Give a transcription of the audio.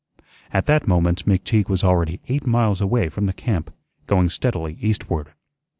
At that moment McTeague was already eight miles away from the camp, going steadily eastward.